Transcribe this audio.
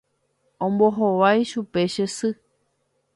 Ombohovái chupe che sy.